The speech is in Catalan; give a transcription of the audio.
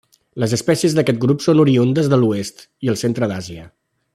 Les espècies d'aquest grup són oriündes de l'oest i el centre d'Àsia.